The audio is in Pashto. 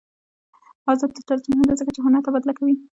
آزاد تجارت مهم دی ځکه چې هنر تبادله کوي.